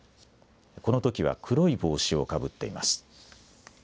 このときは黒い帽子をかぶっています。